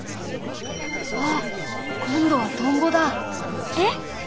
あっ今度はトンボだ！え？